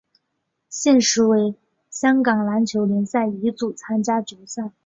现时为香港篮球联赛乙组参赛球队。